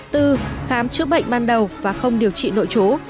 tư khám chữa bệnh ban đầu và không điều trị nội chú